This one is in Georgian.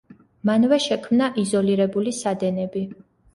მანვე შექმნა იზოლირებული სადენები.